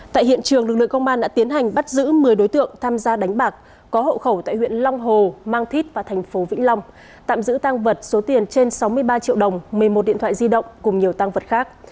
tại hiện trường lực lượng công an đã tiến hành bắt giữ một mươi đối tượng tham gia đánh bạc có hộ khẩu tại huyện long hồ mang thít và thành phố vĩnh long tạm giữ tăng vật số tiền trên sáu mươi ba triệu đồng một mươi một điện thoại di động cùng nhiều tăng vật khác